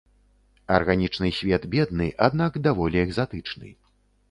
Арганічны свет бедны, аднак даволі экзатычны.